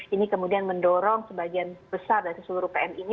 ini kemudian mendorong sebagian besar dari seluruh pn ini